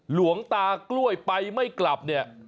หลวงตากล้วยไปไม่กลับเนี่ย